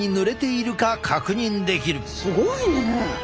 すごいね！